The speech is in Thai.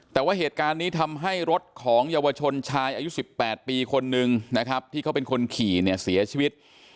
แต่ว่าเหตุการณ์นี้ทำให้รถของเยาวชนชายอายุ๑๘ปีคนนึงนะครับที่เขาเป็นคนขี่เนี่ยเสียชีวิต